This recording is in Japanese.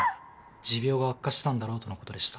持病が悪化したんだろうとのことでした。